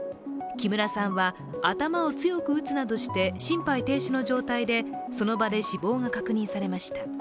木村さんは頭を強く打つなどして心肺停止の状態で、その場で死亡が確認されました。